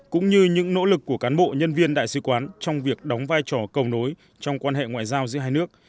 cũng như những nỗ lực của cán bộ nhân viên đại sứ quán trong việc đóng vai trò cầu nối trong quan hệ ngoại giao giữa hai nước